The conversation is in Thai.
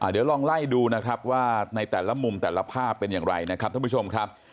เดี๋ยวลองไล่ดูนะครับว่าในแต่ละมุมแต่ละภาพเป็นอย่างไรนะครับท่านผู้ชมครับ